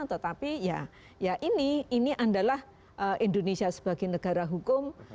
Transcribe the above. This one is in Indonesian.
tetapi ya ini adalah indonesia sebagai negara hukum